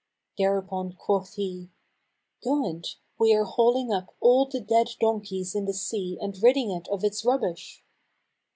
Thereupon quoth he, "Good; we are hauling up all the dead donkeys in the sea and ridding it of its rubbish.